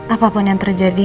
apapun yang terjadi